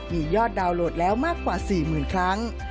มียอดดาวน์โหลดแล้วมากกว่า๔๐๐๐ครั้ง